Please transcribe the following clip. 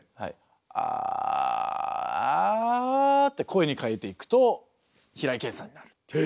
「アア」って声に変えていくと平井堅さんになるっていう。